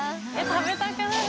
食べたくなる。